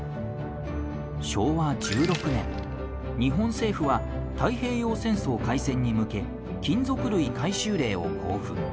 昭和１６年日本政府は太平洋戦争開戦に向け金属類回収令を公布。